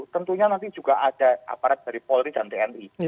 tentunya nanti juga ada aparat dari polri dan tni